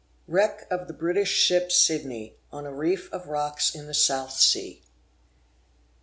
WRECK OF THE BRITISH SHIP SIDNEY, ON A REEF OF ROCKS IN THE SOUTH SEA.